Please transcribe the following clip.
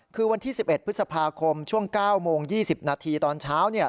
คือวันที่๑๑พฤษภาคมช่วง๙โมง๒๐นาทีตอนเช้า